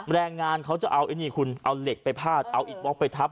แรงงานเขาจะเอาไอ้นี่คุณเอาเหล็กไปพาดเอาอิดบล็อกไปทับ